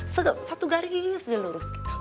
satu garis lurus